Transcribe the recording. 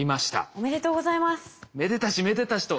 おめでとうございます。